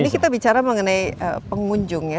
ini kita bicara mengenai pengunjung ya